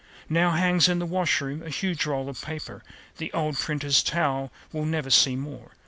Now hangs in the washroom a huge roll of paper The old printer's towel we'll never see more.